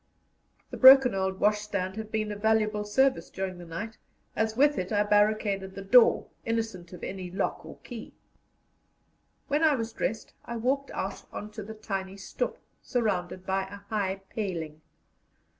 The broken old washstand had been of valuable service during the night, as with it I barricaded the door, innocent of any lock or key. When I was dressed, I walked out on to the tiny stoep, surrounded by a high paling.